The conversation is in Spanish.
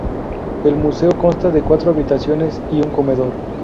El museo consta de cuatro habitaciones y un corredor.